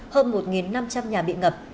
hơn một năm trăm linh nhà bị ngập